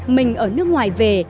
mình ở nước ngoài về